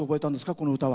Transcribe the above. この歌は。